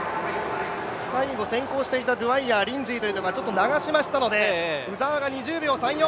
最後先行していたドウァイヤー、リンジーが流しましたので、鵜澤が２０秒３４。